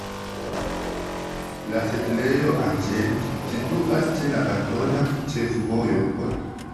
La setlejo Angel situas ĉe la kantona ĉefvojo.